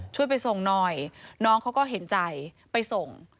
ไปส่งหน่อยน้องเขาก็เห็นใจไปส่ง